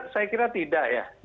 saya kira tidak ya